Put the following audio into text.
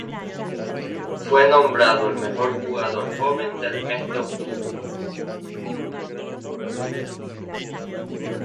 Fue nombrado el mejor jugador joven del mes de octubre.